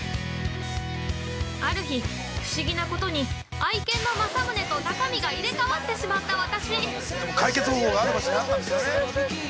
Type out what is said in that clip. ◆ある日不思議なことに愛犬のまさむねと中身が入れかわってしまった私。